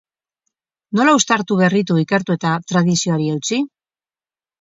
Nola uztartu, berritu, ikertu eta tradizioari eutsi?